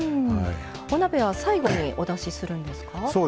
お鍋は最後にお出しするんですか？